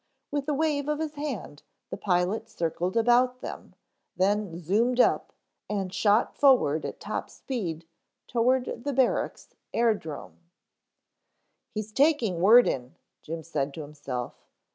With a wave of his hand the pilot circled about them, then zoomed up, and shot forward at top speed toward the barracks airdrome. "He's taking word in," Jim said to himself.